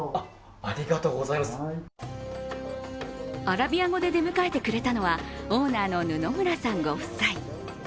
アラビア語で出迎えてくれたのはオーナーの布村さんご夫妻。